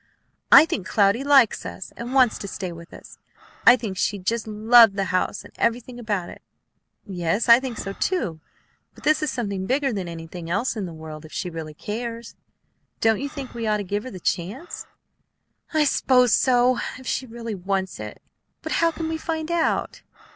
I think Cloudy likes us, and wants to stay with us. I think she's just loved the house and everything about it." "Yes, I think so, too; but this is something bigger than anything else in the world if she really cares. Don't you think we ought to give her the chance?" "I s'pose so, if she really wants it; but how can we find out?"